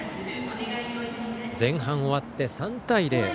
前半終わって３対０。